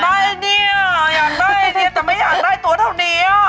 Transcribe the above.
ได้เนี่ยอยากได้เนี่ยแต่ไม่อยากได้ตัวเท่านี้